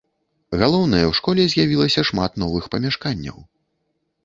Галоўнае, у школе з'явілася шмат новых памяшканняў.